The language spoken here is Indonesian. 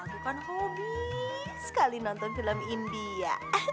aku kan hobi sekali nonton film india